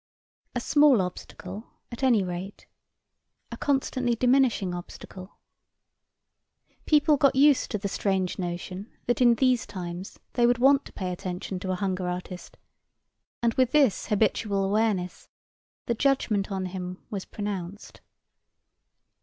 A small obstacle, at any rate, a constantly diminishing obstacle. People got used to the strange notion that in these times they would want to pay attention to a hunger artist, and with this habitual awareness the judgment on him was pronounced.